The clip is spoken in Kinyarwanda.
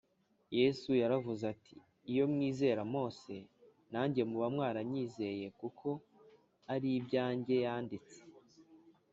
yesu yaravuze ati, “iyo mwizera mose, nanjye muba mwaranyizeye kuko ari ibyanjye yanditse